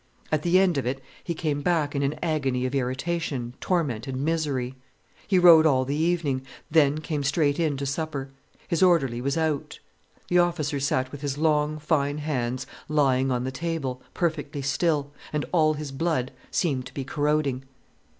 At the end of it, he came back in an agony of irritation, torment, and misery. He rode all the evening, then came straight in to supper. His orderly was out. The officer sat with his long, fine hands lying on the table, perfectly still, and all his blood seemed to be corroding.